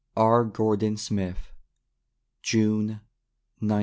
R. GORDON SMITH. June 1908.